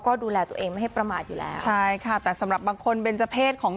คิดว่าจะทำบุญทำทานทำให้สุขภาพจิตดี